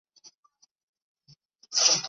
君灵塔的历史年代为清。